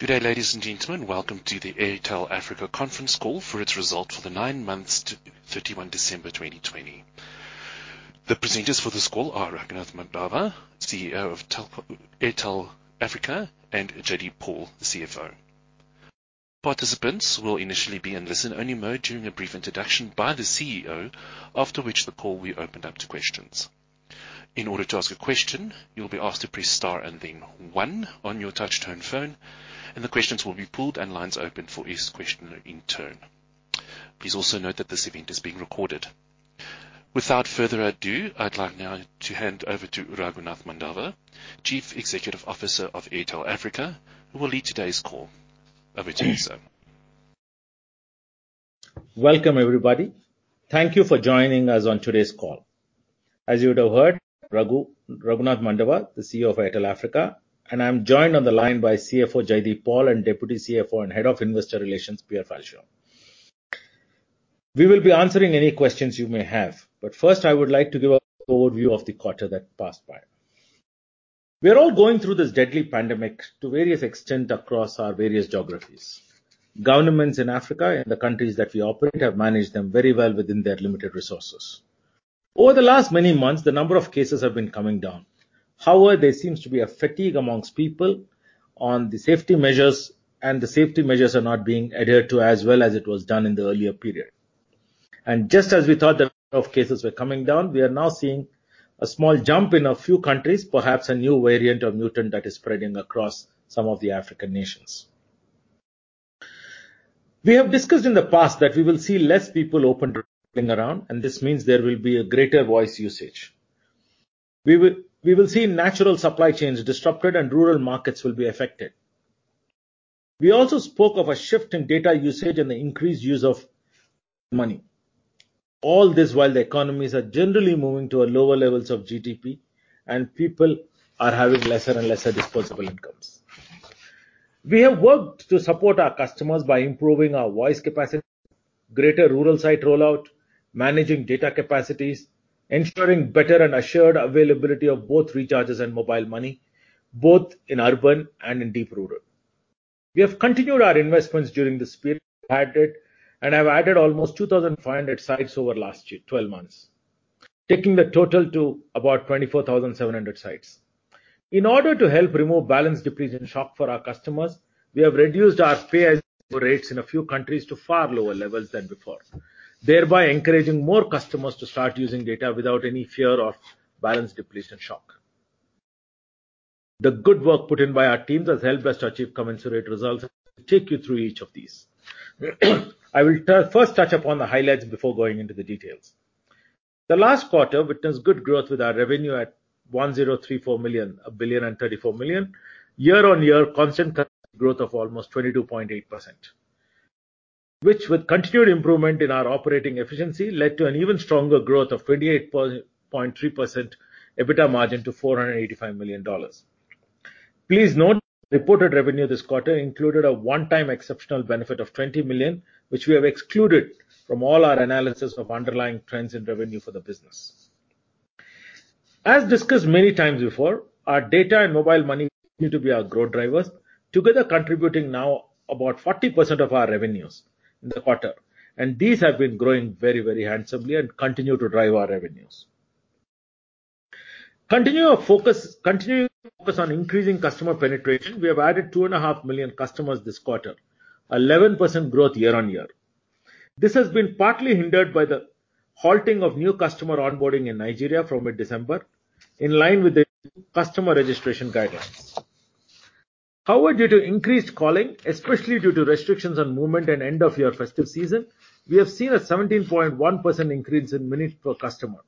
Good day, ladies and gentlemen. Welcome to the Airtel Africa conference call for its results for the nine months to 31 December 2020. The presenters for this call are Raghunath Mandava, CEO of Airtel Africa, and Jaideep Paul, the CFO. Participants will initially be in listen-only mode during a brief introduction by the CEO, after which the call will be opened up to questions. In order to ask a question, you will be asked to press star and then one on your touchtone phone and the questions will be pooled and lines opened for each question in turn. Please also note that this event is being recorded. Without further ado, I'd like now to hand over to Raghunath Mandava, Chief Executive Officer of Airtel Africa, who will lead today's call. Over to you, sir. Welcome, everybody. Thank you for joining us on today's call. As you would have heard, Raghu, Raghunath Mandava, the CEO of Airtel Africa, and I'm joined on the line by CFO Jaideep Paul and Deputy CFO and Head of Investor Relations, Pier Falcione. We will be answering any questions you may have. First, I would like to give an overview of the quarter that passed by. We are all going through this deadly pandemic to various extent across our various geographies. Governments in Africa and the countries that we operate have managed them very well within their limited resources. Over the last many months, the number of cases have been coming down. However, there seems to be a fatigue amongst people on the safety measures. The safety measures are not being adhered to as well as it was done in the earlier period. Just as we thought the number of cases were coming down, we are now seeing a small jump in a few countries, perhaps a new variant or mutant that is spreading across some of the African nations. We have discussed in the past that we will see less people open traveling around, and this means there will be a greater voice usage. We will see natural supply chains disrupted and rural markets will be affected. We also spoke of a shift in data usage and the increased use of money. All this while the economies are generally moving to lower levels of GDP and people are having lesser and lesser disposable incomes. We have worked to support our customers by improving our voice capacity, greater rural site rollout, managing data capacities, ensuring better and assured availability of both recharges and mobile money, both in urban and in deep rural. We have continued our investments during this period and have added almost 2,500 sites over last 12 months, taking the total to about 24,700 sites. In order to help remove balance depletion shock for our customers, we have reduced our pay-as-you-go rates in a few countries to far lower levels than before, thereby encouraging more customers to start using data without any fear of balance depletion shock. The good work put in by our teams has helped us to achieve commensurate results. I'll take you through each of these. I will first touch upon the highlights before going into the details. The last quarter witnessed good growth with our revenue at $1,034 million, a billion and $34 million, year-on-year constant currency growth of almost 22.8%, which with continued improvement in our operating efficiency led to an even stronger growth of 28.3% EBITDA margin to $485 million. Please note, reported revenue this quarter included a one-time exceptional benefit of $20 million, which we have excluded from all our analysis of underlying trends in revenue for the business. As discussed many times before, our data and mobile money continue to be our growth drivers, together contributing now about 40% of our revenues in the quarter. These have been growing very, very handsomely and continue to drive our revenues. Continuing to focus on increasing customer penetration, we have added 2.5 million customers this quarter, 11% growth year-on-year. This has been partly hindered by the halting of new customer onboarding in Nigeria from mid-December, in line with the new customer registration guidelines. However, due to increased calling, especially due to restrictions on movement and end of year festive season, we have seen a 17.1% increase in minutes per customer.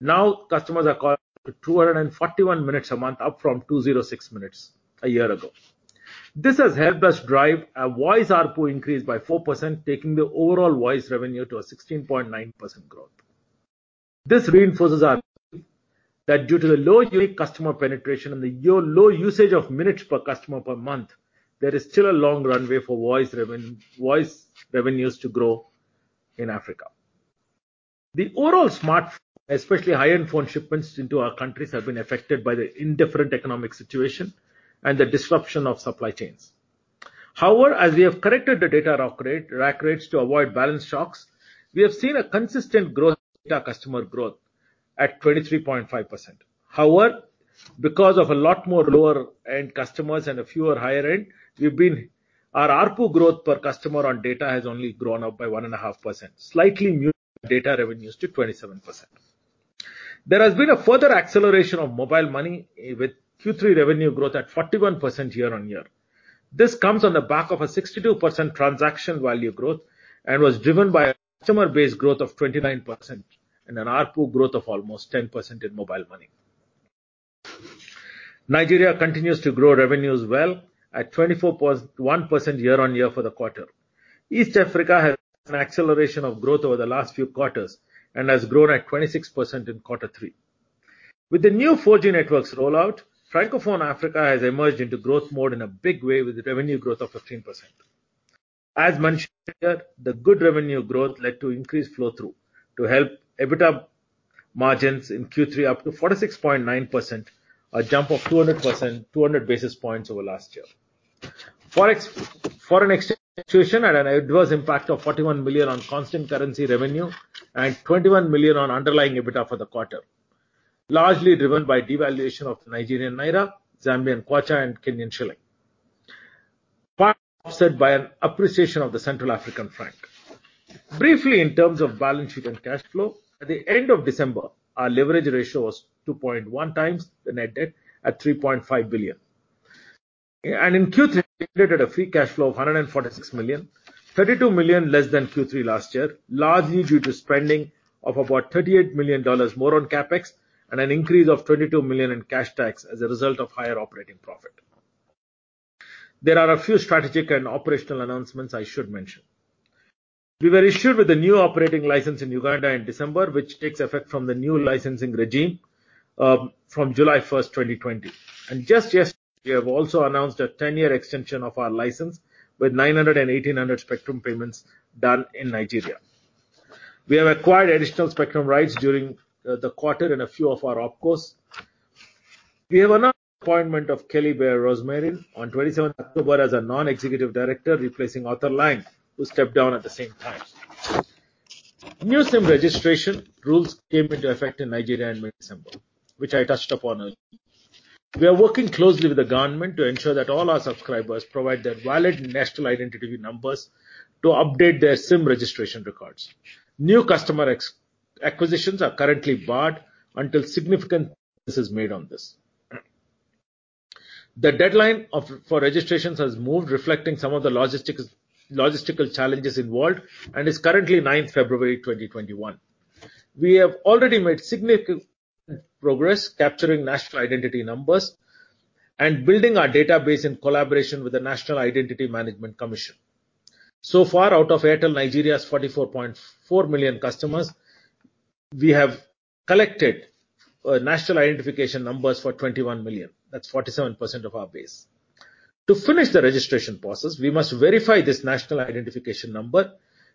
Now customers are calling 241 minutes a month, up from 206 minutes a year ago. This has helped us drive our voice ARPU increase by 4%, taking the overall voice revenue to a 16.9% growth. This reinforces our view that due to the low unique customer penetration and the low usage of minutes per customer per month, there is still a long runway for voice revenues to grow in Africa. The overall smartphone, especially high-end phone shipments into our countries, have been affected by the indifferent economic situation and the disruption of supply chains. As we have corrected the data rack rates to avoid balance shocks, we have seen a consistent growth in data customer growth at 23.5%. Because of a lot more lower-end customers and a fewer higher-end, our ARPU growth per customer on data has only grown up by 1.5%, slightly muted data revenues to 27%. There has been a further acceleration of mobile money with Q3 revenue growth at 41% year-on-year. This comes on the back of a 62% transaction value growth and was driven by a customer base growth of 29% and an ARPU growth of almost 10% in mobile money. Nigeria continues to grow revenues well at 24.1% year-on-year for the quarter. East Africa has an acceleration of growth over the last few quarters and has grown at 26% in quarter three. With the new 4G networks rollout, Francophone Africa has emerged into growth mode in a big way with revenue growth of 15%. As mentioned earlier, the good revenue growth led to increased flow through to help EBITDA margins in Q3 up to 46.9%, a jump of 200 basis points over last year. Foreign exchange dilution had an adverse impact of $41 million on constant currency revenue and $21 million on underlying EBITDA for the quarter, largely driven by devaluation of Nigerian naira, Zambian kwacha, and Kenyan shilling. Part offset by an appreciation of the Central African franc. Briefly, in terms of balance sheet and cash flow, at the end of December, our leverage ratio was 2.1x the net debt at $3.5 billion. In Q3, we generated a free cash flow of $146 million, $32 million less than Q3 last year, largely due to spending of about $38 million more on CapEx and an increase of $22 million in cash tax as a result of higher operating profit. There are a few strategic and operational announcements I should mention. We were issued with the new operating license in Uganda in December, which takes effect from the new licensing regime from July 1st, 2020. Just yesterday, we have also announced a 10-year extension of our license with 900 and 1800 spectrum payments done in Nigeria. We have acquired additional spectrum rights during the quarter in a few of our opcos. We have announced the appointment of Kelly Bayer Rosmarin on 27th October as a non-executive director, replacing Arthur Lang, who stepped down at the same time. New SIM registration rules came into effect in Nigeria in mid-December, which I touched upon earlier. We are working closely with the government to ensure that all our subscribers provide their valid national identity numbers to update their SIM registration records. New customer acquisitions are currently barred until significant progress is made on this. The deadline for registrations has moved, reflecting some of the logistical challenges involved, and is currently 9th February 2021. We have already made significant progress capturing national identity numbers and building our database in collaboration with the National Identity Management Commission. Out of Airtel Nigeria's 44.4 million customers, we have collected national identification numbers for 21 million. That's 47% of our base. To finish the registration process, we must verify this national identification number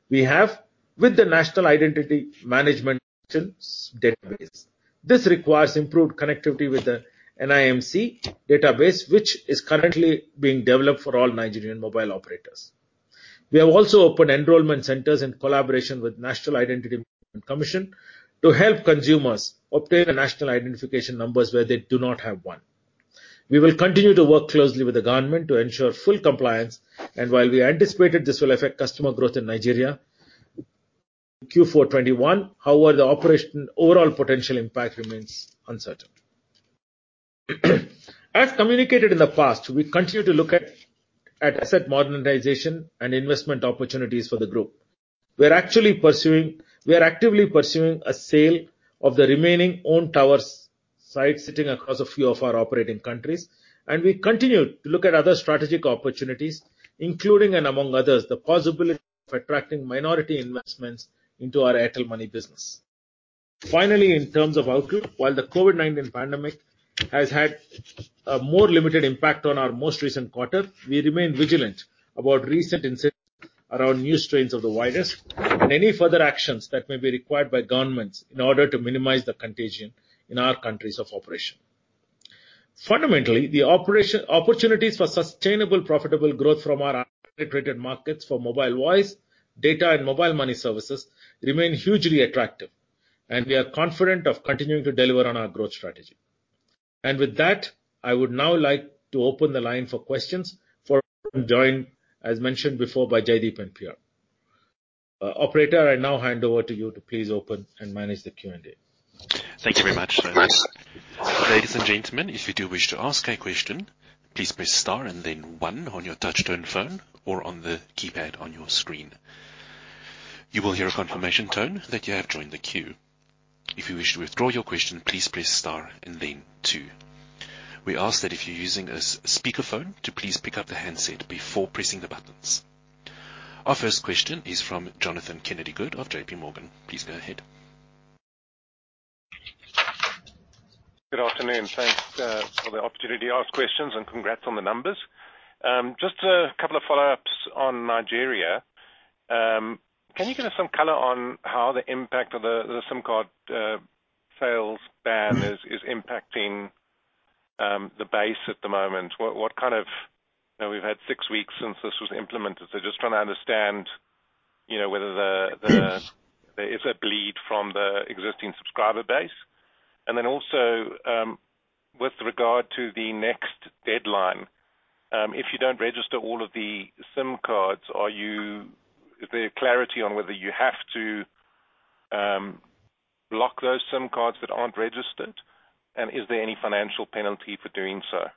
we have with the National Identity Management Commission's database. This requires improved connectivity with the NIMC database, which is currently being developed for all Nigerian mobile operators. We have also opened enrollment centers in collaboration with National Identity Management Commission to help consumers obtain national identification numbers where they do not have one. We will continue to work closely with the government to ensure full compliance, and while we anticipated this will affect customer growth in Nigeria, Q4 2021, however, the overall potential impact remains uncertain. As communicated in the past, we continue to look at asset modernization and investment opportunities for the group. We are actively pursuing a sale of the remaining owned towers sites sitting across a few of our operating countries, and we continue to look at other strategic opportunities, including and among others, the possibility of attracting minority investments into our Airtel Money business. Finally, in terms of outlook, while the COVID-19 pandemic has had a more limited impact on our most recent quarter, we remain vigilant about recent incidents around new strains of the virus and any further actions that may be required by governments in order to minimize the contagion in our countries of operation. Fundamentally, the opportunities for sustainable, profitable growth from our integrated markets for mobile voice, data, and mobile money services remain hugely attractive, and we are confident of continuing to deliver on our growth strategy. With that, I would now like to open the line for questions from joined, as mentioned before by Jaideep and Pier. Operator, I now hand over to you to please open and manage the Q&A. Thank you very much. Thanks. Ladies and gentlemen, if you do wish to ask a question, please press star and then one on your touchtone phone or on the keypad on your screen. You will hear a confirmation tone that you have joined the queue. If you wish to withdraw your question, please press star and then two. We ask that if you're using a speakerphone to please pick up the handset before pressing the buttons. Our first question is from Jonathan Kennedy-Good of JPMorgan. Please go ahead. Good afternoon. Thanks for the opportunity to ask questions, and congrats on the numbers. Just a couple of follow-ups on Nigeria. Can you give us some color on how the impact of the SIM card sales ban is impacting the base at the moment? We've had six weeks since this was implemented. Yes. There is a bleed from the existing subscriber base. With regard to the next deadline, if you don't register all of the SIM cards, is there clarity on whether you have to block those SIM cards that aren't registered? Is there any financial penalty for doing so?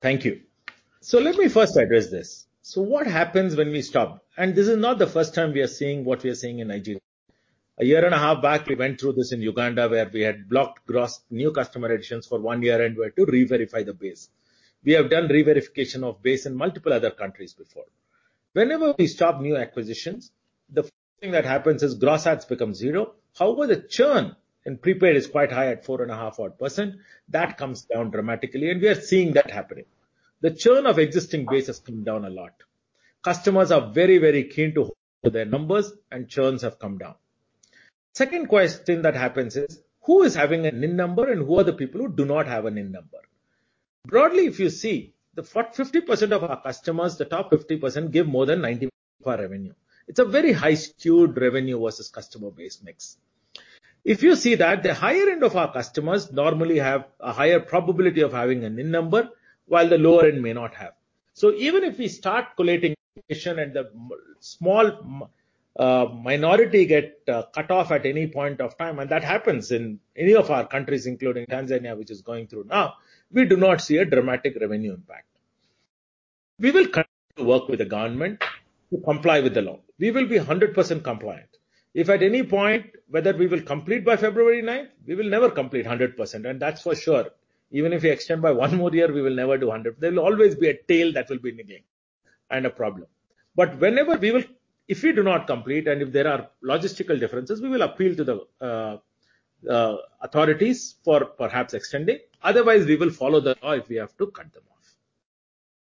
Thank you. Let me first address this. What happens when we stop? This is not the first time we are seeing what we are seeing in Nigeria. A year and a half back, we went through this in Uganda, where we had blocked new customer additions for one year and we had to re-verify the base. We have done re-verification of base in multiple other countries before. Whenever we stop new acquisitions, the first thing that happens is gross adds become zero. However, the churn in prepaid is quite high at 4.5%, that comes down dramatically, and we are seeing that happening. The churn of existing base has come down a lot. Customers are very keen to hold their numbers and churns have come down. Second thing that happens is, who is having a NIN number and who are the people who do not have a NIN number? Broadly, if you see, the top 50% give more than 90% of our revenue. It's a very high skewed revenue versus customer base mix. If you see that the higher end of our customers normally have a higher probability of having a NIN number, while the lower end may not have. Even if we start collating and the small minority get cut off at any point of time, and that happens in any of our countries including Tanzania, which is going through now, we do not see a dramatic revenue impact. We will continue to work with the government to comply with the law. We will be 100% compliant. If at any point, whether we will complete by February 9th, we will never complete 100%, and that's for sure. Even if we extend by one more year, we will never do 100%. There will always be a tail that will be nibbling and a problem. If we do not complete, and if there are logistical differences, we will appeal to the authorities for perhaps extending. Otherwise, we will follow the law if we have to cut them off.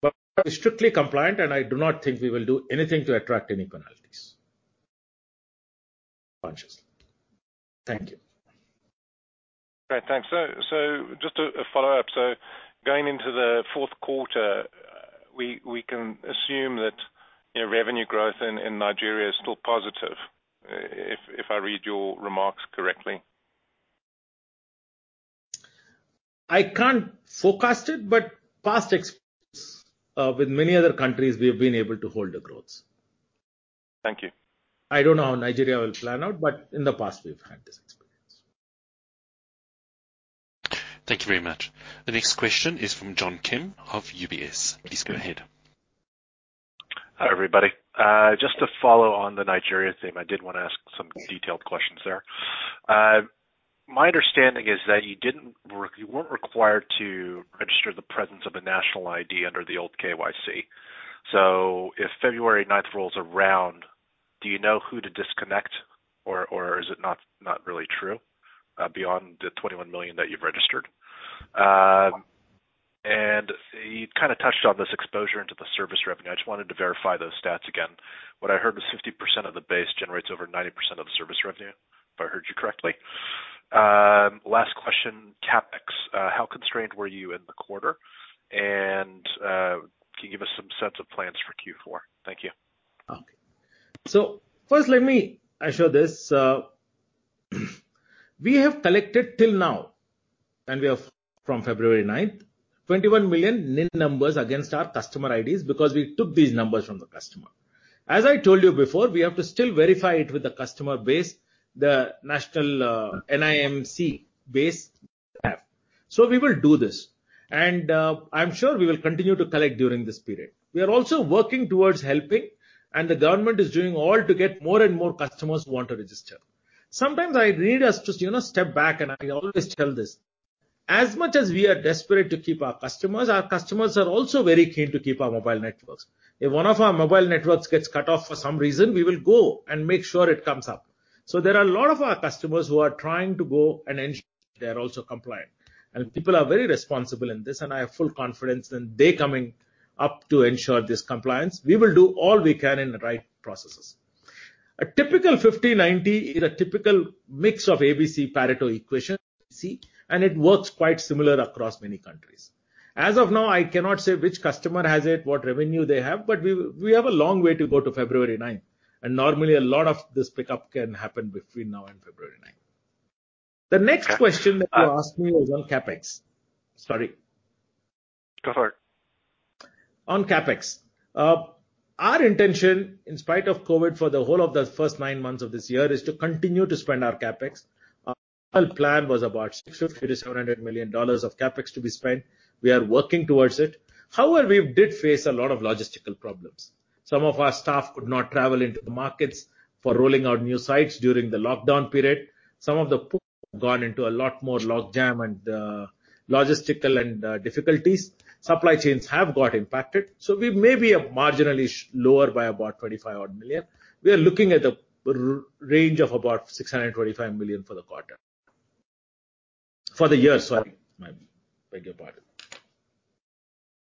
We are strictly compliant, and I do not think we will do anything to attract any penalties. Consciously. Thank you. Great. Thanks. Just a follow-up. Going into the fourth quarter, we can assume that revenue growth in Nigeria is still positive, if I read your remarks correctly? I can't forecast it, but past experience, with many other countries, we have been able to hold the growth. Thank you. I don't know how Nigeria will plan out. In the past, we've had this experience. Thank you very much. The next question is from John Kim of UBS. Please go ahead. Hi, everybody. Just to follow on the Nigeria theme, I did want to ask some detailed questions there. My understanding is that you weren't required to register the presence of a national ID under the old KYC. If February 9th rolls around, do you know who to disconnect or is it not really true, beyond the 21 million that you've registered? You touched on this exposure into the service revenue. I just wanted to verify those stats again. What I heard was 50% of the base generates over 90% of the service revenue, if I heard you correctly. Last question, CapEx. How constrained were you in the quarter? Can you give us some sense of plans for Q4? Thank you. First let me assure this. We have collected till now, and we have from February 9th, 21 million NIN numbers against our customer IDs because we took these numbers from the customer. As I told you before, we have to still verify it with the customer base, the national NIMC base app. We will do this. I'm sure we will continue to collect during this period. We are also working towards helping, the government is doing all to get more and more customers who want to register. Sometimes I need us to step back, I always tell this. As much as we are desperate to keep our customers, our customers are also very keen to keep our mobile networks. If one of our mobile networks gets cut off for some reason, we will go and make sure it comes up. There are a lot of our customers who are trying to go and ensure they're also compliant. People are very responsible in this, and I have full confidence in they coming up to ensure this compliance. We will do all we can in the right processes. A typical 50/90 is a typical mix of ABC Pareto equation, ABC, and it works quite similar across many countries. As of now, I cannot say which customer has it, what revenue they have, but we have a long way to go to February 9th. Normally, a lot of this pickup can happen between now and February 9th. The next question that you asked me was on CapEx. Sorry. Go for it. On CapEx. Our intention, in spite of COVID-19, for the whole of the first nine months of this year, is to continue to spend our CapEx. Our plan was about $650 million-$700 million of CapEx to be spent. We are working towards it. However, we did face a lot of logistical problems. Some of our staff could not travel into the markets for rolling out new sites during the lockdown period. Some of the pools have gone into a lot more logjam and logistical difficulties. Supply chains have got impacted. We may be marginally lower by about $25 million. We are looking at a range of about $625 million for the quarter. For the year, sorry. Beg your pardon.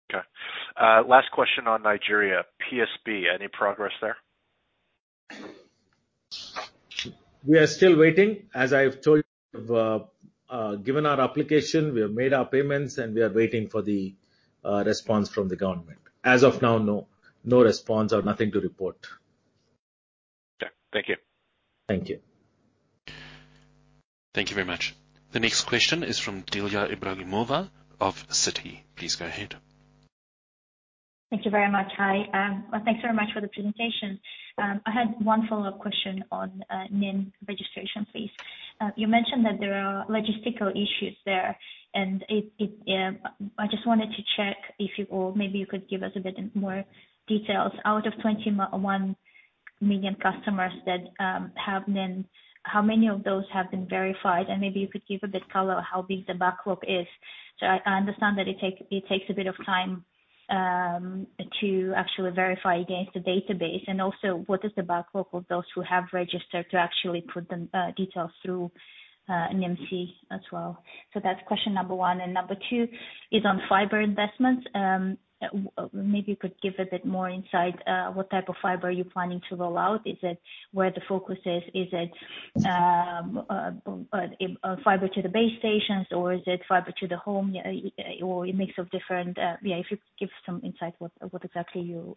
Okay. Last question on Nigeria. PSB, any progress there? We are still waiting. As I've told you, we've given our application, we have made our payments, and we are waiting for the response from the government. As of now, no. No response or nothing to report. Okay. Thank you. Thank you. Thank you very much. The next question is from Dilya Ibragimova of Citi. Please go ahead. Thank you very much. Hi. Well, thanks very much for the presentation. I had one follow-up question on NIN registration, please. You mentioned that there are logistical issues there, or maybe you could give us a bit more details. Out of 21 million customers that have NIN? How many of those have been verified? Maybe you could give a bit of color how big the backlog is. I understand that it takes a bit of time to actually verify against the database. Also what is the backlog of those who have registered to actually put the details through, NIMC as well? That's question number one. Number two is on fiber investments. Maybe you could give a bit more insight, what type of fiber are you planning to roll out? Is it where the focus is? Is it fiber to the base stations or is it fiber to the home or a mix of different? If you could give some insight what exactly you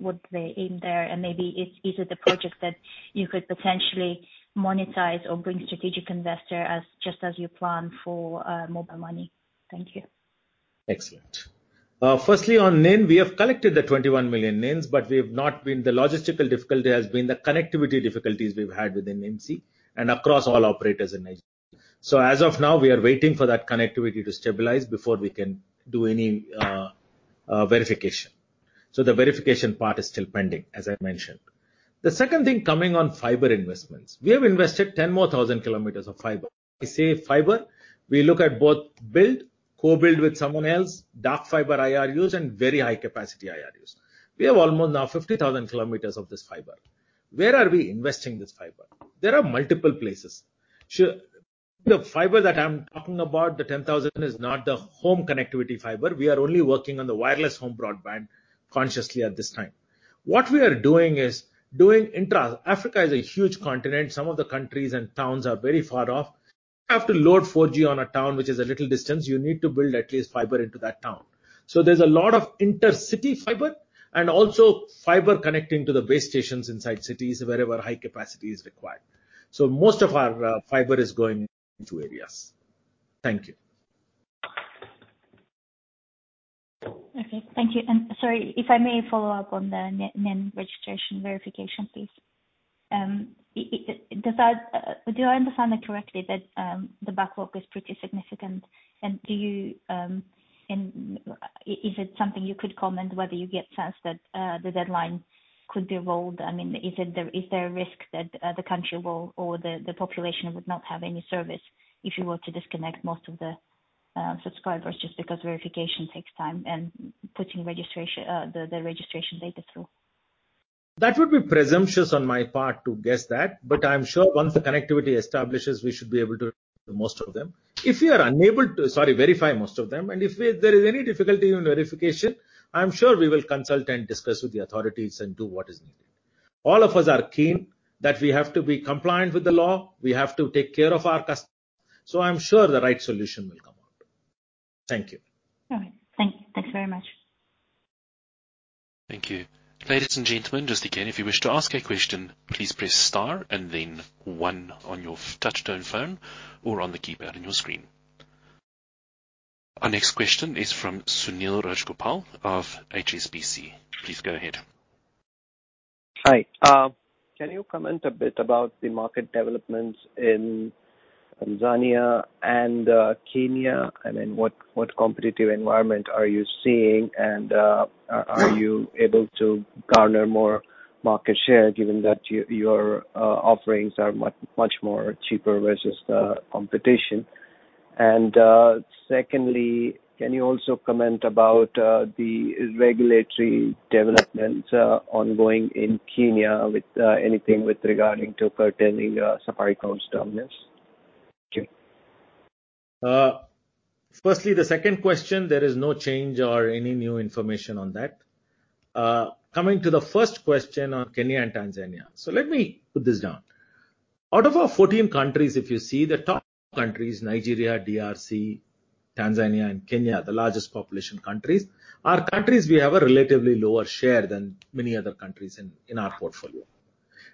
would aim there and maybe is it a project that you could potentially monetize or bring strategic investor just as you plan for mobile money. Thank you. Excellent. Firstly, on NIN, we have collected the 21 million NINs. The logistical difficulty has been the connectivity difficulties we've had with NIMC and across all operators in Nigeria. As of now, we are waiting for that connectivity to stabilize before we can do any verification. The verification part is still pending, as I mentioned. The second thing, coming on fiber investments. We have invested 10,000 more km of fiber. I say fiber, we look at both build, co-build with someone else, dark fiber IRUs, and very high capacity IRUs. We have almost now 50,000 km of this fiber. Where are we investing this fiber? There are multiple places. The fiber that I'm talking about, the 10,000 km, is not the home connectivity fiber. We are only working on the wireless home broadband consciously at this time. What we are doing is doing intra. Africa is a huge continent. Some of the countries and towns are very far off. You have to load 4G on a town which is a little distance. You need to build at least fiber into that town. There's a lot of intercity fiber and also fiber connecting to the base stations inside cities wherever high capacity is required. Most of our fiber is going into areas. Thank you. Okay. Thank you. Sorry, if I may follow up on the NIN registration verification, please. Do I understand that correctly, that the backlog is pretty significant? Is it something you could comment whether you get sense that, the deadline could be rolled? I mean, is there a risk that the country or the population would not have any service if you were to disconnect most of the subscribers just because verification takes time and putting the registration data through? That would be presumptuous on my part to guess that, but I'm sure once the connectivity establishes, we should be able to do most of them. If we are unable to, sorry, verify most of them, and if there is any difficulty in verification, I'm sure we will consult and discuss with the authorities and do what is needed. All of us are keen that we have to be compliant with the law. We have to take care of our customers. I'm sure the right solution will come out. Thank you. All right. Thank you. Thanks very much. Thank you. Ladies and gentlemen, just again, if you wish to ask a question, please press star and then one on your touchtone phone or on the keypad on your screen. Our next question is from Sunil Rajgopal of HSBC. Please go ahead. Hi. Can you comment a bit about the market developments in Tanzania and Kenya? What competitive environment are you seeing? Are you able to garner more market share given that your offerings are much more cheaper versus the competition? Secondly, can you also comment about the regulatory developments ongoing in Kenya with anything with regarding to curtailing Safaricom's dominance? Thank you. Firstly, the second question, there is no change or any new information on that. Coming to the first question on Kenya and Tanzania. Let me put this down. Out of our 14 countries, if you see the top countries, Nigeria, DRC, Tanzania, and Kenya, the largest population countries, are countries we have a relatively lower share than many other countries in our portfolio.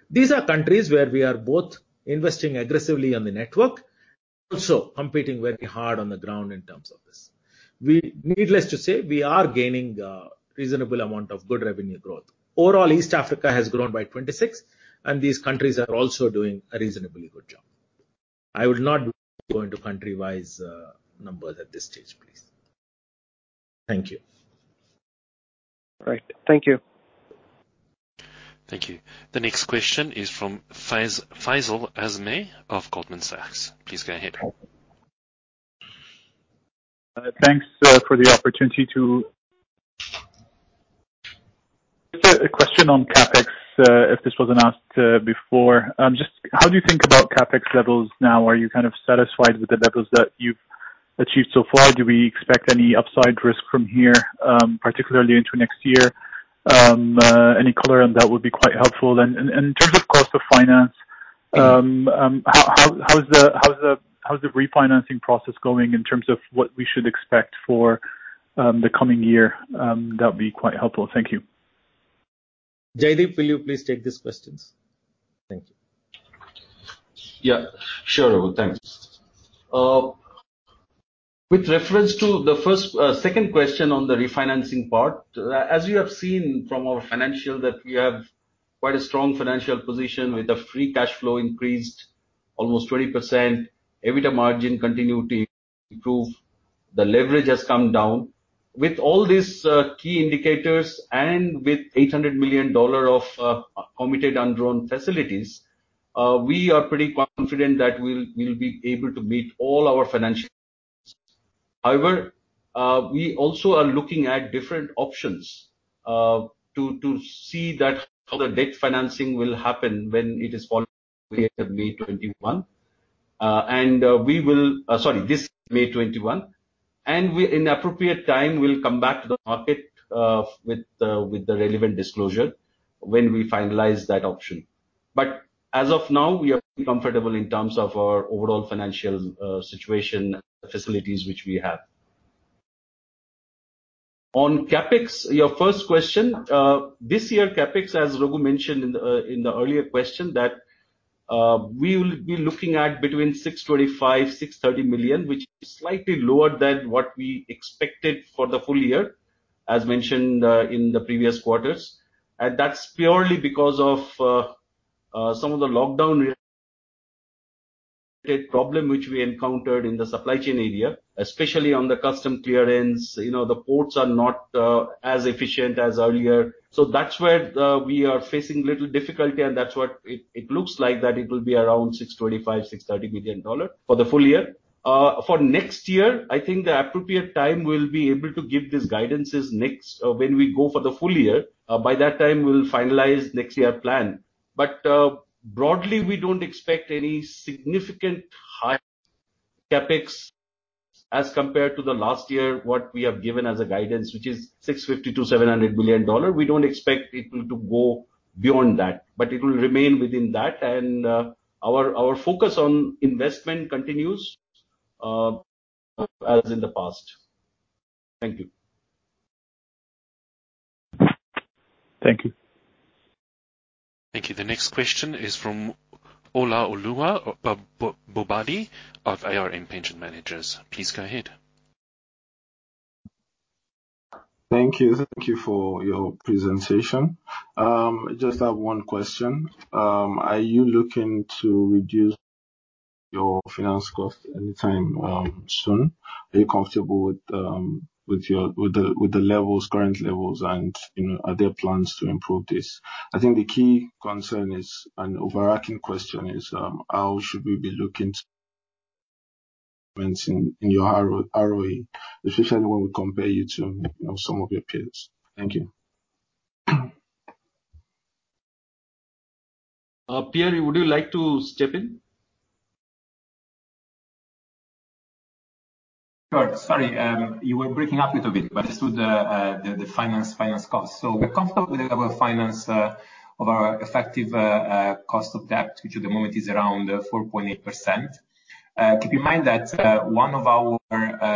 These are countries where we are both investing aggressively on the network, also competing very hard on the ground in terms of this. Needless to say, we are gaining a reasonable amount of good revenue growth. Overall, East Africa has grown by 26%, and these countries are also doing a reasonably good job. I would not go into country-wise numbers at this stage, please. Thank you. Right. Thank you. Thank you. The next question is from Faisal Al Azmeh of Goldman Sachs. Please go ahead. Thanks for the opportunity to ask a question on CapEx, if this wasn't asked before. How do you think about CapEx levels now? Are you kind of satisfied with the levels that you've achieved so far? Do we expect any upside risk from here, particularly into next year? Any color on that would be quite helpful. In terms of cost of finance, how's the refinancing process going in terms of what we should expect for the coming year? That would be quite helpful. Thank you. Jaideep, will you please take these questions? Thank you. Yeah. Sure. Thanks. With reference to the second question on the refinancing part, as you have seen from our financial that we have quite a strong financial position with the free cash flow increased almost 20%, EBITDA margin continue to improve. The leverage has come down. With all these key indicators and with $800 million of committed undrawn facilities, we are pretty confident that we'll be able to meet all our financial. However, we also are looking at different options to see that how the debt financing will happen when it is falling May 2021. Sorry, this May 2021. In appropriate time, we'll come back to the market with the relevant disclosure when we finalize that option. As of now, we are pretty comfortable in terms of our overall financial situation, the facilities which we have. On CapEx, your first question. This year, CapEx, as Raghu mentioned in the earlier question, that we will be looking at between $625 million-$630 million, which is slightly lower than what we expected for the full year, as mentioned in the previous quarters. That's purely because of some of the lockdown-related problem which we encountered in the supply chain area, especially on the custom clearance. The ports are not as efficient as earlier. That's where we are facing little difficulty, and that's what it looks like, that it will be around $625 million-$630 million for the full year. For next year, I think the appropriate time we'll be able to give these guidances next, when we go for the full year. By that time, we'll finalize next year plan. Broadly, we don't expect any significant high CapEx as compared to the last year, what we have given as a guidance, which is $650 million-$700 million. We don't expect it will go beyond that, but it will remain within that. Our focus on investment continues as in the past. Thank you. Thank you. Thank you. The next question is from Olaoluwa Bobade of ARM Pension Managers. Please go ahead. Thank you. Thank you for your presentation. I just have one question. Are you looking to reduce your finance cost anytime soon? Are you comfortable with the current levels, and are there plans to improve this? I think the key concern is, and overarching question is, how should we be looking to in your ROE, especially when we compare you to some of your peers? Thank you. Pier, would you like to step in? Sure. Sorry, you were breaking up a little bit. As to the finance cost. We're comfortable with our finance of our effective cost of debt, which at the moment is around 4.8%. Keep in mind that one of our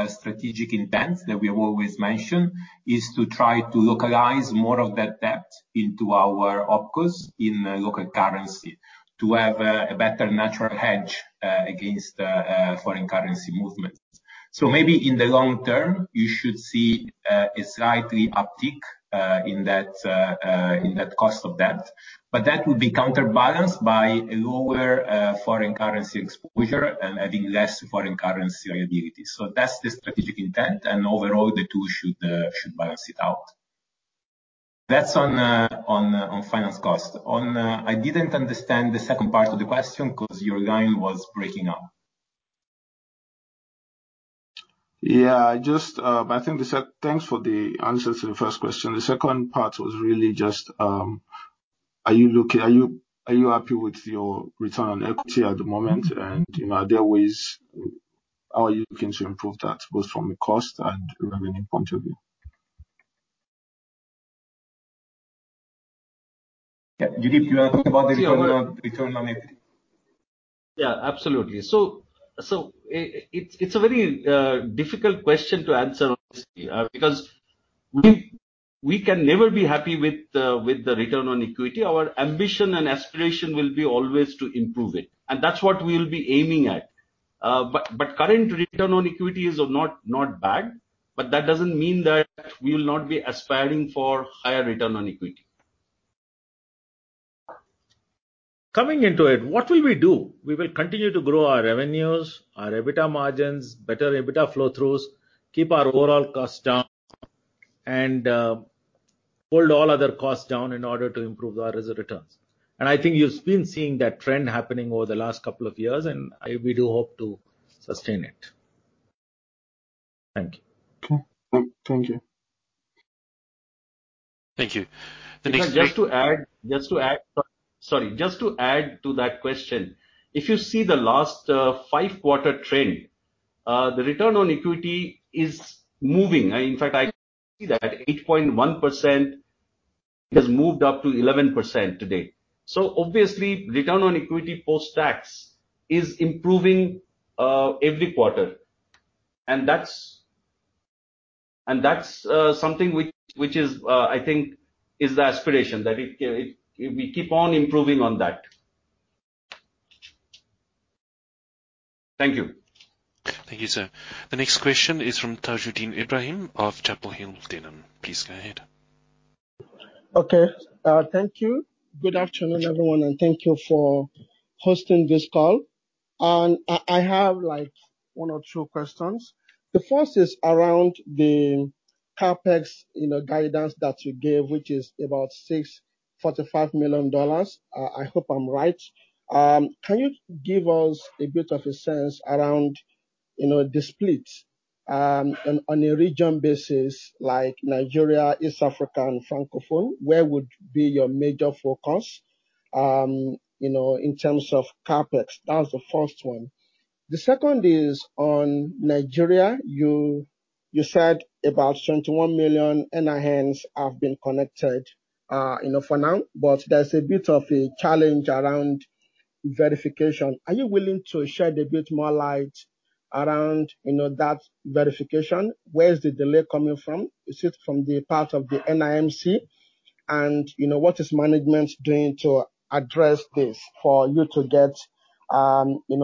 strategic intents that we've always mentioned is to try to localize more of that debt into our Opcos in local currency to have a better natural hedge against foreign currency movements. Maybe in the long-term, you should see a slightly uptick in that cost of debt. That will be counterbalanced by a lower foreign currency exposure and having less foreign currency liability. That's the strategic intent, and overall, the two should balance it out. That's on finance cost. I didn't understand the second part of the question because your line was breaking up. Yeah. Thanks for the answer to the first question. The second part was really just, are you happy with your return on equity at the moment? Are there ways, how are you looking to improve that, both from a cost and revenue point of view? Yeah. Jaideep, you want to talk about the return on equity? Absolutely. It's a very difficult question to answer, honestly, because we can never be happy with the return on equity. Our ambition and aspiration will be always to improve it, and that's what we'll be aiming at. Current return on equity is not bad, but that doesn't mean that we will not be aspiring for higher return on equity. Coming into it, what will we do? We will continue to grow our revenues, our EBITDA margins, better EBITDA flow-throughs, keep our overall costs down and hold all other costs down in order to improve our returns. I think you've been seeing that trend happening over the last couple of years, and we do hope to sustain it. Thank you. Okay. Thank you. Thank you. The next- Sir, just to add to that question. If you see the last five-quarter trend, the return on equity is moving. In fact, I see that 8.1% has moved up to 11% today. Obviously, return on equity post-tax is improving every quarter, and that's something which I think is the aspiration, that we keep on improving on that. Thank you. Thank you, sir. The next question is from Tajudeen Ibrahim of Chapel Hill Denham. Please go ahead. Okay. Thank you. Good afternoon, everyone, and thank you for hosting this call. I have one or two questions. The first is around the CapEx guidance that you gave, which is about $645 million. I hope I'm right. Can you give us a bit of a sense around the split on a region basis, like Nigeria, East Africa, and Francophone? Where would be your major focus in terms of CapEx? That was the first one. The second is on Nigeria. You said about 21 million NINs have been connected for now, but there's a bit of a challenge around verification. Are you willing to shed a bit more light around that verification? Where is the delay coming from? Is it from the part of the NIMC? What is management doing to address this for you to get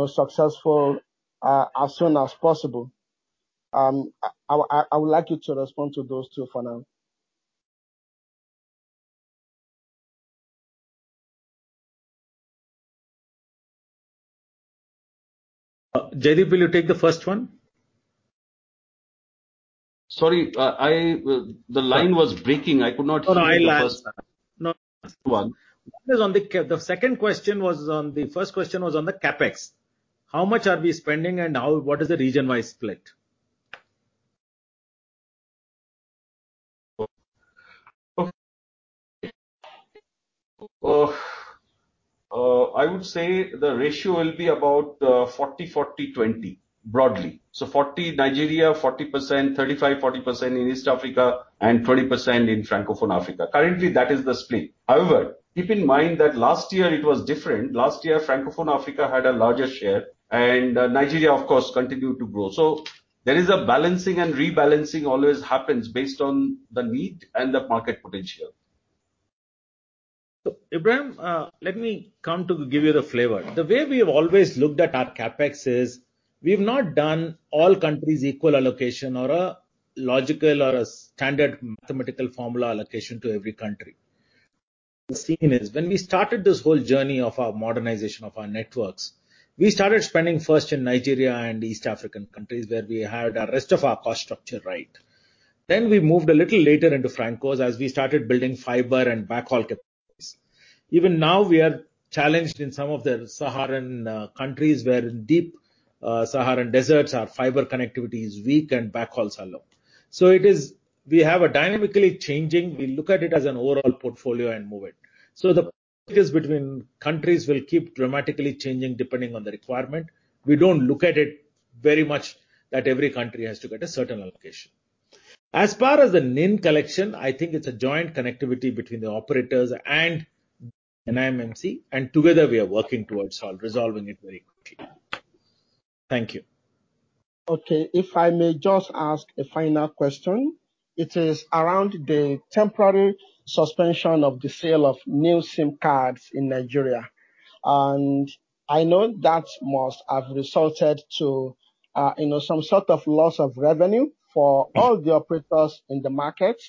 successful as soon as possible? I would like you to respond to those two for now. Jaideep, will you take the first one? Sorry, the line was breaking. I could not hear you the first time. Oh, I lost No. First one. The first question was on the CapEx. How much are we spending, and what is the region-wide split? I would say the ratio will be about 40/40/20, broadly. Nigeria, 40%, 35%-40% in East Africa, and 20% in Francophone Africa. Currently, that is the split. However, keep in mind that last year it was different. Last year, Francophone Africa had a larger share, and Nigeria, of course, continued to grow. There is a balancing, and rebalancing always happens based on the need and the market potential. Ibrahim, let me come to give you the flavor. The way we have always looked at our CapEx is we've not done all countries equal allocation or a logical or a standard mathematical formula allocation to every country. The scene is when we started this whole journey of our modernization of our networks, we started spending first in Nigeria and East African countries where we had our rest of our cost structure right. We moved a little later into Francophone as we started building fiber and backhaul capacities. Even now, we are challenged in some of the Saharan countries where in deep Saharan deserts, our fiber connectivity is weak and backhauls are low. We have a dynamically changing, we look at it as an overall portfolio and move it. The percentages between countries will keep dramatically changing depending on the requirement. We don't look at it very much that every country has to get a certain allocation. As far as the NIN collection, I think it's a joint connectivity between the operators and NIMC, and together we are working towards resolving it very quickly. Thank you. Okay. If I may just ask a final question, it is around the temporary suspension of the sale of new SIM cards in Nigeria. I know that must have resulted to some sort of loss of revenue for all the operators in the market.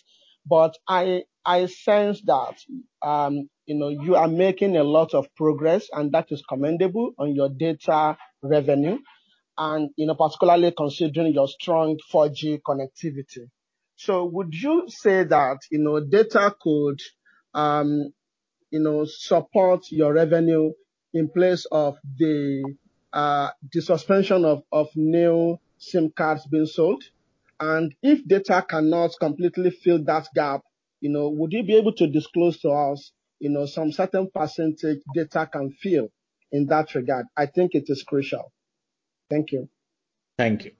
I sense that you are making a lot of progress, and that is commendable on your data revenue, and particularly considering your strong 4G connectivity. Would you say that data could support your revenue in place of the suspension of new SIM cards being sold? If data cannot completely fill that gap, would you be able to disclose to us some certain percentage data can fill in that regard? I think it is crucial. Thank you. Thank you.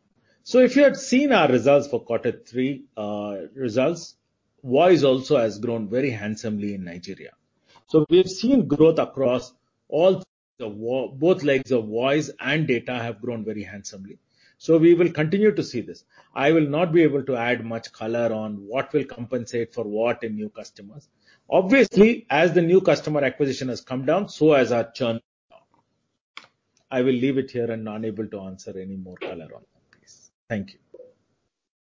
If you had seen our results for quarter three, voice also has grown very handsomely in Nigeria. We've seen growth. Both legs of voice and data have grown very handsomely. We will continue to see this. I will not be able to add much color on what will compensate for what in new customers. Obviously, as the new customer acquisition has come down, so has our churn come down. I will leave it here. I'm not able to answer any more color on that, please. Thank you.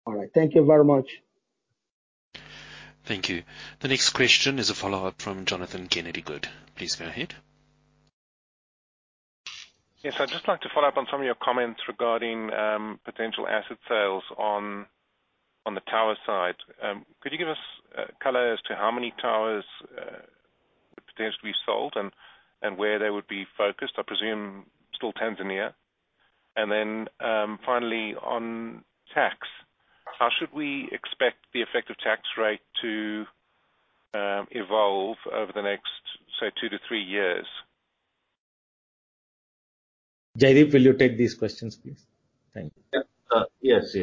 All right. Thank you very much. Thank you. The next question is a follow-up from Jonathan Kennedy-Good. Please go ahead. Yes. I'd just like to follow up on some of your comments regarding potential asset sales on the tower side. Could you give us color as to how many towers could potentially be sold and where they would be focused? I presume still Tanzania. Then finally, on tax, how should we expect the effective tax rate to evolve over the next, say, two to three years? Jaideep, will you take these questions, please? Thank you. Yes.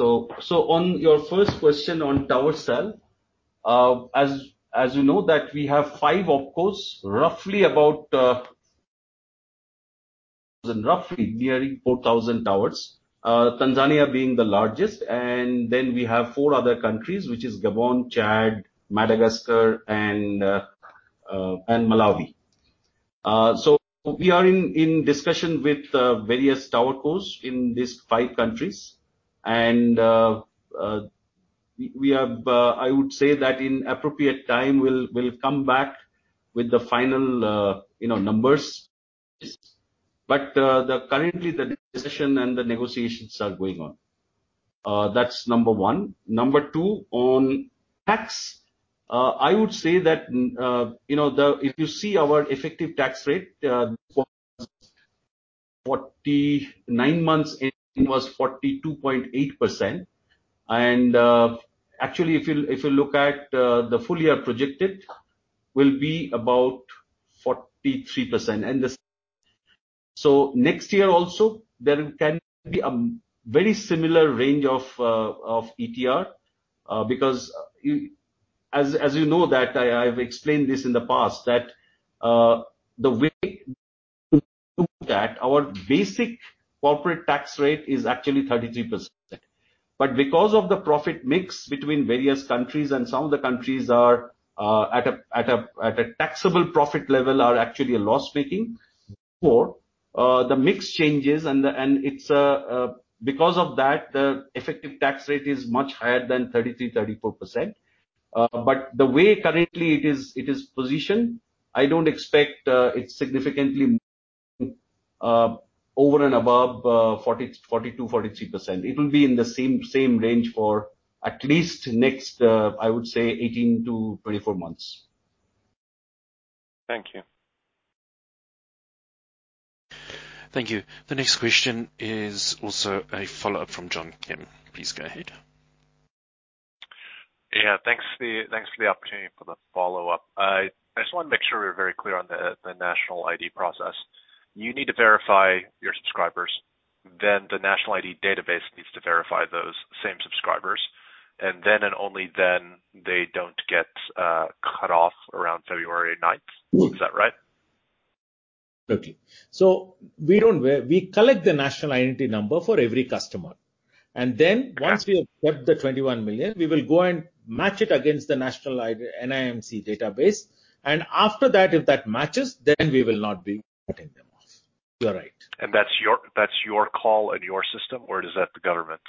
On your first question on tower sale, as you know that we have five opcos, roughly nearing 4,000 towers, Tanzania being the largest. Then we have four other countries, which is Gabon, Chad, Madagascar, and Malawi. We are in discussion with various towercos in these five countries, and I would say that in appropriate time, we'll come back with the final numbers. Currently, the discussion and the negotiations are going on. That's number one. Number two, on tax, I would say that, if you see our effective tax rate, nine months ending was 42.8%. Actually, if you look at the full year projected, will be about 43%. Next year also, there can be a very similar range of ETR, because as you know that I've explained this in the past, that the way that our basic corporate tax rate is actually 33%. Because of the profit mix between various countries and some of the countries are at a taxable profit level are actually a loss making, therefore, the mix changes, and it's because of that, the effective tax rate is much higher than 33%, 34%. The way currently it is positioned, I don't expect it significantly over and above 42%, 43%. It will be in the same range for at least next, I would say 18-24 months. Thank you. Thank you. The next question is also a follow-up from John Kim. Please go ahead. Yeah. Thanks for the opportunity for the follow-up. I just want to make sure we're very clear on the National ID process. You need to verify your subscribers, then the National ID database needs to verify those same subscribers, and then, and only then they don't get cut off around February 9th. Is that right? Okay. We collect the national identity number for every customer. Then once we have got the 21 million, we will go and match it against the national NIMC database. After that, if that matches, then we will not be cutting them off. You're right. That's your call and your system, or is that the government's?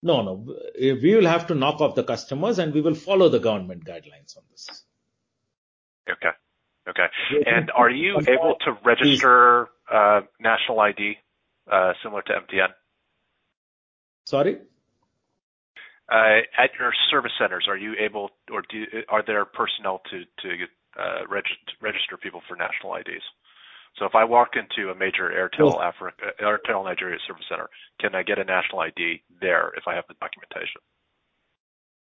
No, no. We will have to knock off the customers, and we will follow the government guidelines on this. Okay. Are you able to register National ID, similar to MDN? Sorry? At your service centers, are there personnel to register people for National IDs? If I walk into a major Airtel Nigeria service center, can I get a National ID there if I have the documentation?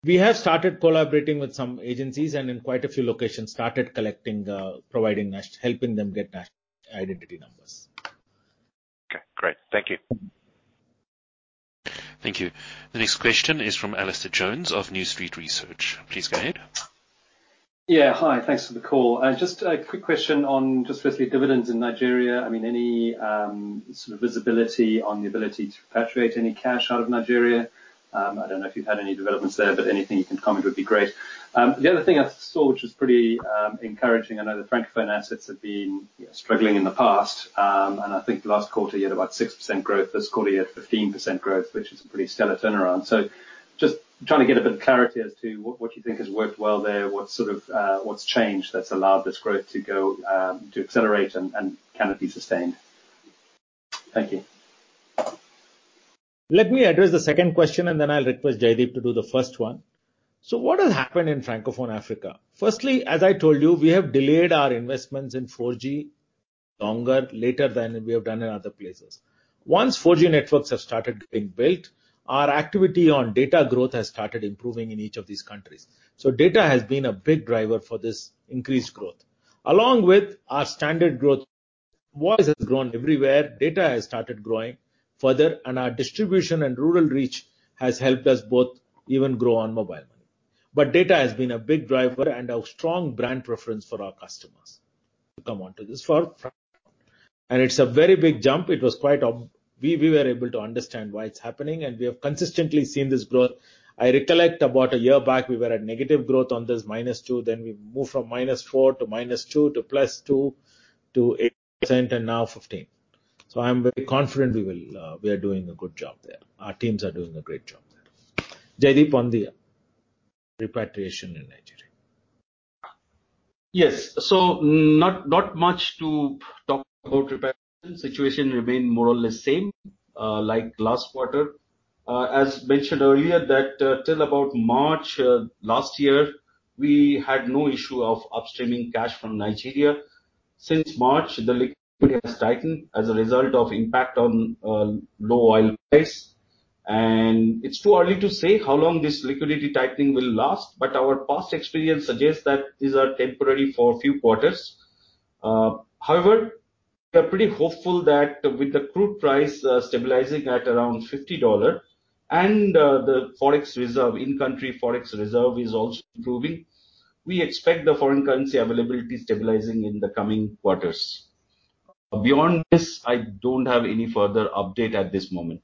We have started collaborating with some agencies and in quite a few locations, started helping them get identity numbers. Okay, great. Thank you. Thank you. The next question is from Alistair Jones of New Street Research. Please go ahead. Yeah, hi. Thanks for the call. Just a quick question on just with your dividends in Nigeria, any sort of visibility on the ability to repatriate any cash out of Nigeria? I don't know if you've had any developments there, anything you can comment would be great. The other thing I saw, which was pretty encouraging, I know the Francophone assets have been struggling in the past. I think last quarter you had about 6% growth, this quarter you had 15% growth, which is a pretty stellar turnaround. Just trying to get a bit of clarity as to what you think has worked well there, what's changed that's allowed this growth to accelerate, and can it be sustained? Thank you. Let me address the second question and then I'll request Jaideep to do the first one. What has happened in Francophone Africa? Firstly, as I told you, we have delayed our investments in 4G longer, later than we have done in other places. Once 4G networks have started getting built, our activity on data growth has started improving in each of these countries. Data has been a big driver for this increased growth. Along with our standard growth, voice has grown everywhere, data has started growing further, and our distribution and rural reach has helped us both even grow on mobile money. Data has been a big driver and a strong brand preference for our customers to come onto this. It's a very big jump. We were able to understand why it's happening, and we have consistently seen this growth. I recollect about a year back, we were at negative growth on this, -2%, then we moved from -4% to -2% to +2% to 8%, and now 15%. I'm very confident we are doing a good job there. Our teams are doing a great job there. Jaideep, on the repatriation in Nigeria. Yes. Not much to talk about repatriation. Situation remain more or less same, like last quarter. As mentioned earlier, that till about March last year, we had no issue of upstreaming cash from Nigeria. Since March, the liquidity has tightened as a result of impact on low oil price. It's too early to say how long this liquidity tightening will last, but our past experience suggests that these are temporary for a few quarters. We are pretty hopeful that with the crude price stabilizing at around $50 and the in-country Forex reserve is also improving, we expect the foreign currency availability stabilizing in the coming quarters. Beyond this, I don't have any further update at this moment.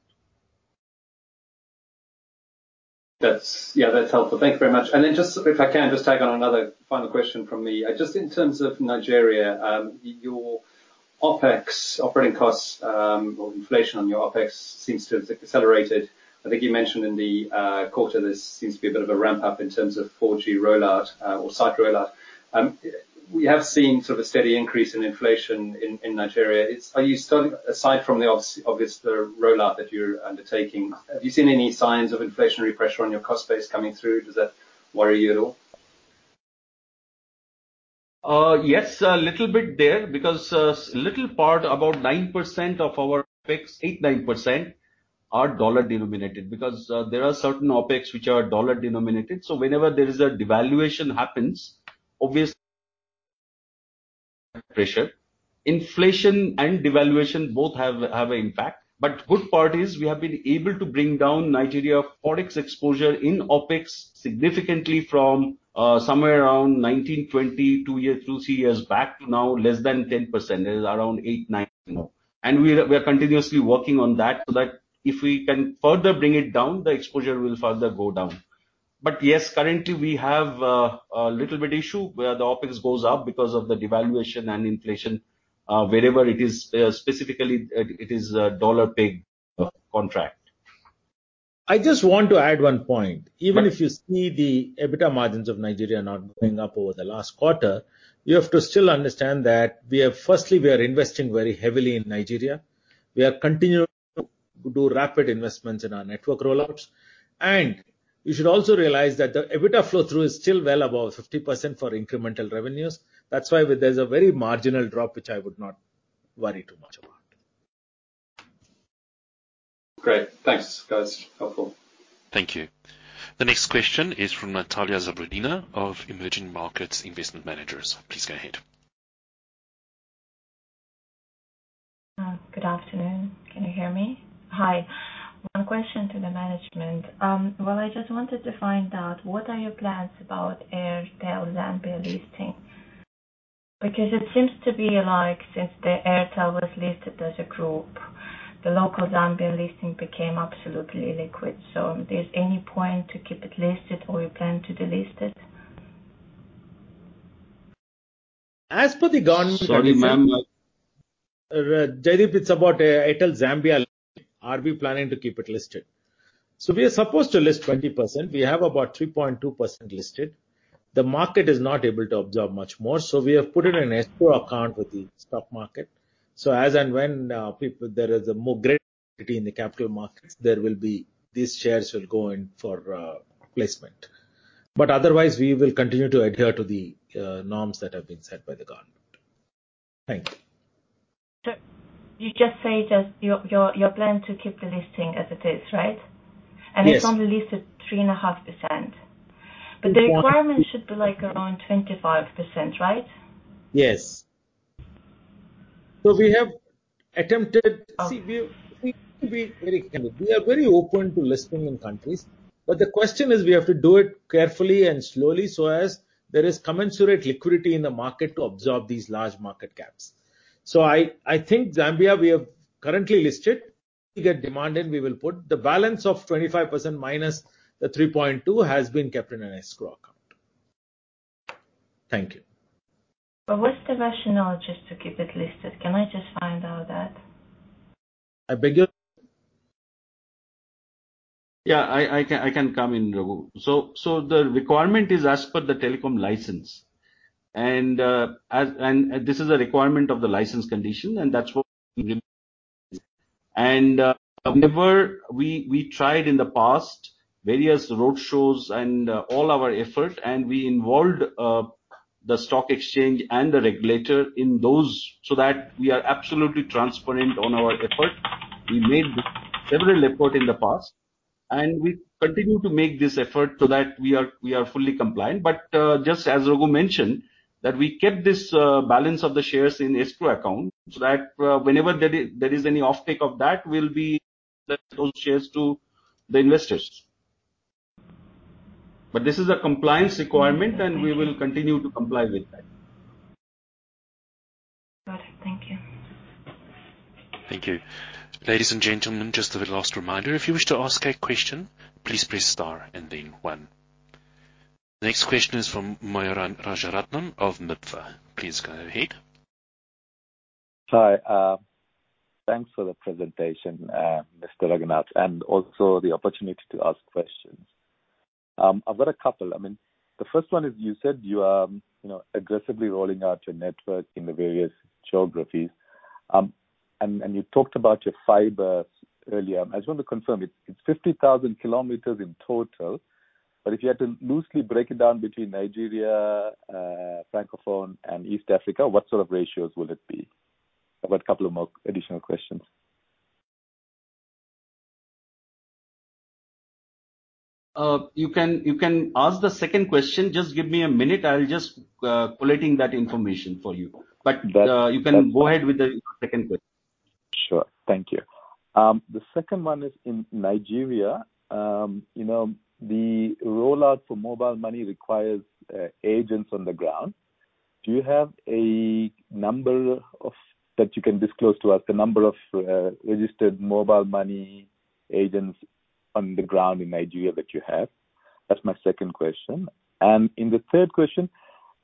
That's helpful. Thank you very much. Then just, if I can, just tag on another final question from me. Just in terms of Nigeria, your OpEx, operating costs or inflation on your OpEx seems to have accelerated. I think you mentioned in the quarter there seems to be a bit of a ramp up in terms of 4G rollout or site rollout. We have seen sort of a steady increase in inflation in Nigeria. Aside from the obvious rollout that you're undertaking, have you seen any signs of inflationary pressure on your cost base coming through? Does that worry you at all? Yes, a little bit there because a little part, about 9% of our OpEx, 8%, 9%, are USD denominated because there are certain OpEx which are USD denominated. Whenever there is a devaluation happens, obviously pressure. Inflation and devaluation both have an impact. Good part is we have been able to bring down Nigeria Forex exposure in OpEx significantly from somewhere around 19%,20%, two years, three years back to now less than 10%. It is around 8%, 9% now. We are continuously working on that so that if we can further bring it down, the exposure will further go down. Yes, currently we have a little bit issue where the OpEx goes up because of the devaluation and inflation, wherever it is specifically, it is a Dollar based contract. I just want to add one point. Right. Even if you see the EBITDA margins of Nigeria not going up over the last quarter, you have to still understand that firstly, we are investing very heavily in Nigeria. We are continuing to do rapid investments in our network rollouts. You should also realize that the EBITDA flow through is still well above 50% for incremental revenues. That's why there's a very marginal drop, which I would not worry too much about. Great. Thanks, guys. Helpful. Thank you. The next question is from Natalya Zabrodina of Emerging Markets Investment Managers. Please go ahead. Good afternoon. Can you hear me? Hi. One question to the management. I just wanted to find out what are your plans about Airtel Zambia listing? Because it seems to be like since the Airtel was listed as a group, the local Zambia listing became absolutely illiquid. There's any point to keep it listed or you plan to delist it? As per the government. Sorry, ma'am. Jaideep, it's about Airtel Zambia. Are we planning to keep it listed? We are supposed to list 20%. We have about 3.2% listed. The market is not able to absorb much more. We have put it in escrow account with the stock market. As and when there is a more great activity in the capital markets, these shares will go in for placement. Otherwise, we will continue to adhere to the norms that have been set by the government. Thank you. You just say just your plan to keep the listing as it is, right? Yes. It's only listed 3.5%. The requirement should be like around 25%, right? Yes. We have attempted. [inaudible] We are very open to listing in countries. The question is we have to do it carefully and slowly so as there is commensurate liquidity in the market to absorb these large market caps. I think Zambia, we have currently listed. We get demanded, we will put the balance of 25% minus the 3.2% has been kept in an escrow account. Thank you. What's the rationale just to keep it listed? Can I just find out that? I can come in, Raghu. The requirement is as per the telecom license, and this is a requirement of the license condition, and that's what we. Whenever we tried in the past various road shows and all our effort, we involved the stock exchange and the regulator in those so that we are absolutely transparent on our effort. We made several effort in the past, we continue to make this effort so that we are fully compliant. Just as Raghu mentioned, that we kept this balance of the shares in escrow account so that whenever there is any offtake of that, we'll be letting those shares to the investors. This is a compliance requirement, and we will continue to comply with that. Got it. Thank you. Thank you. Ladies and gentlemen, just a last reminder. If you wish to ask a question, please press star and then one. The next question is from Myuran Rajaratnam of MIBFA. Please go ahead. Hi. Thanks for the presentation, Mr. Raghunath, and also the opportunity to ask questions. I've got a couple. The first one is you said you are aggressively rolling out your network in the various geographies. You talked about your fiber earlier. I just want to confirm, it's 50,000 km in total. If you had to loosely break it down between Nigeria, Francophone, and East Africa, what sort of ratios will it be? I've got a couple of more additional questions. You can ask the second question. Just give me a minute. I'll just collating that information for you. You can go ahead with the second question. Sure. Thank you. The second one is in Nigeria, the rollout for mobile money requires agents on the ground. Do you have a number that you can disclose to us, a number of registered mobile money agents on the ground in Nigeria that you have? That's my second question. In the third question,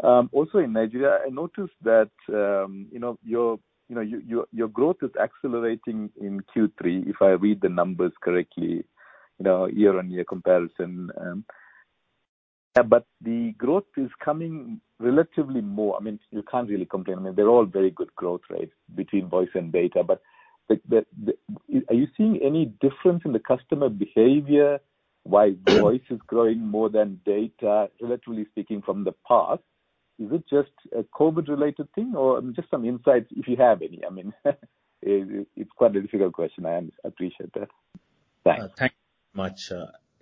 also in Nigeria, I noticed that your growth is accelerating in Q3, if I read the numbers correctly, year-on-year comparison. The growth is coming relatively more. You can't really complain, they're all very good growth rates between voice and data. Are you seeing any difference in the customer behavior, why voice is growing more than data, relatively speaking, from the past? Is it just a COVID-related thing? Just some insights, if you have any. It's quite a difficult question, I appreciate that. Bye. Thank you much.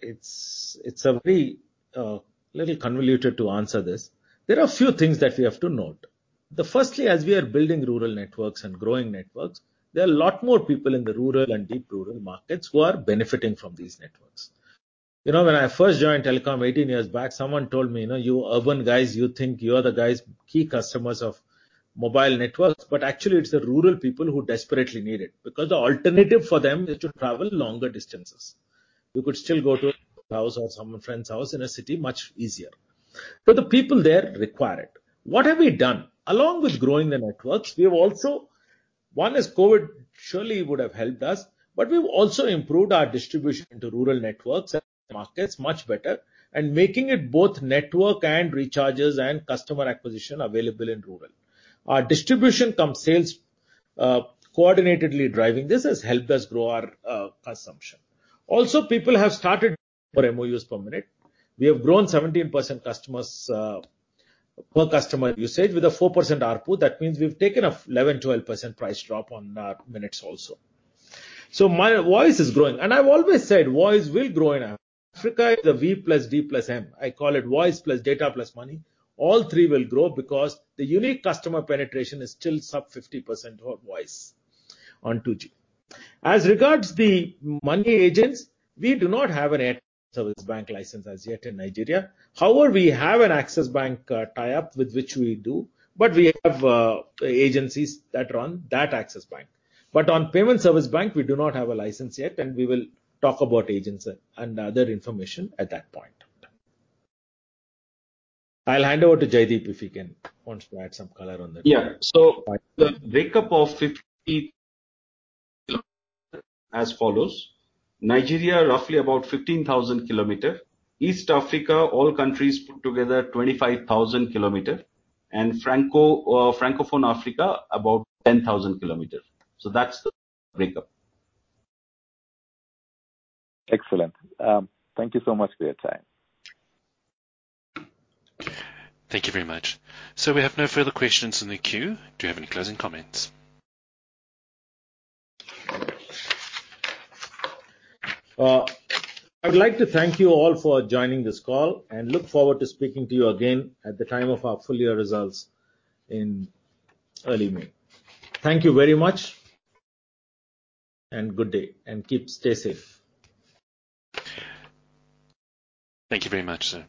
It's a very little convoluted to answer this. There are a few things that we have to note. That firstly, as we are building rural networks and growing networks, there are a lot more people in the rural and deep rural markets who are benefiting from these networks. When I first joined telecom 18 years back, someone told me, "You urban guys, you think you are the guys, key customers of mobile networks, but actually it's the rural people who desperately need it, because the alternative for them is to travel longer distances." You could still go to a house or some friend's house in a city much easier. The people there require it. What have we done? Along with growing the networks, we have also, one is COVID-19 surely would have helped us, but we've also improved our distribution into rural networks and markets much better, and making it both network and recharges and customer acquisition available in rural. Our distribution cum sales coordinatedly driving this has helped us grow our consumption. People have started for MOUs per minute. We have grown 17% customers per customer usage with a 4% ARPU. That means we've taken an 11%, 12% price drop on minutes also. My voice is growing. I've always said voice will grow in Africa. The V+D+M, I call it voice plus data plus money. All three will grow because the unique customer penetration is still sub 50% on voice, on 2G. As regards the money agents, we do not have a Payment Service Bank license as yet in Nigeria. We have an Access Bank tie-up with which we do, but we have agencies that run that Access Bank. On payment service bank, we do not have a license yet, we will talk about agents and other information at that point in time. I'll hand over to Jaideep if he wants to add some color on that. Yeah. The breakup of as follows. Nigeria, roughly about 15,000 km. East Africa, all countries put together, 25,000 km. Francophone Africa, about 10,000 km. That's the breakup. Excellent. Thank you so much for your time. Thank you very much. We have no further questions in the queue. Do you have any closing comments? I'd like to thank you all for joining this call, and look forward to speaking to you again at the time of our full year results in early May. Thank you very much, and good day, and keep safe. Thank you very much, sir.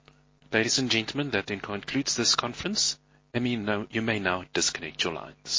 Ladies and gentlemen, that then concludes this conference. You may now disconnect your lines.